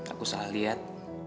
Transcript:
aku salah liat